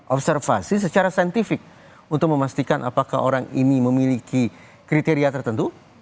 observasi secara saintifik untuk memastikan apakah orang ini memiliki kriteria tertentu